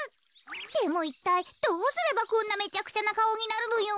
でもいったいどうすればこんなめちゃくちゃなかおになるのよ。